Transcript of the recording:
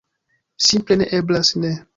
Simple ne eblas ne.